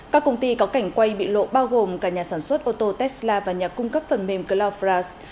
các công ty có cảnh quay bị lộ bao gồm cả nhà sản xuất ô tô tesla và nhà cung cấp phần mềm cloud france